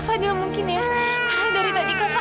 dianggap mungkin ya karena tadi papa